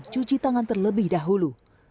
dan cuci tangan terlebih dahulu